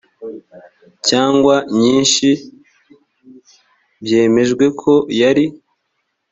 cyangwa nyinshi byemejwe ko yari